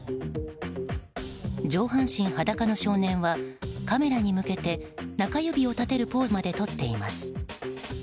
上半身裸の少年はカメラに向けて中指を立てるポーズまで取っています。